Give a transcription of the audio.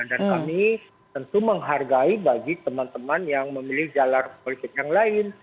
dan kami tentu menghargai bagi teman teman yang memilih jalan politik yang lain